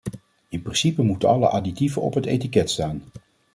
In principe moeten alle additieven op het etiket staan.